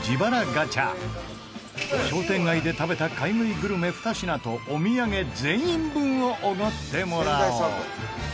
ガチャ商店街で食べた買い食いグルメ２品とお土産全員分をおごってもらおう！